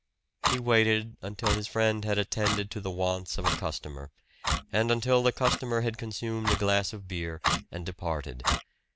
He waited until his friend had attended to the wants of a customer, and until the customer had consumed a glass of beer and departed.